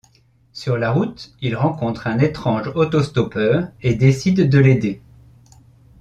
Sur la route, ils rencontrent un étrange auto-stoppeur et décident de l'aider.